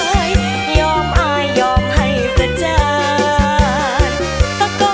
อยากแต่งานกับเธออยากแต่งานกับเธอ